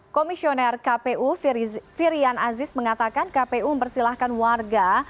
komisioner kpu firian aziz mengatakan kpu mempersilahkan warga